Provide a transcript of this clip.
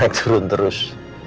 naik turun naik turun terus